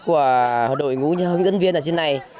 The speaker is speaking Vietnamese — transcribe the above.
của đội ngũ hướng dẫn viên ở trên này